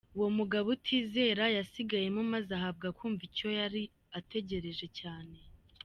Uwo mugabo utizera yasigayemo maze ahabwa kumva icyo yari ategereje cyane.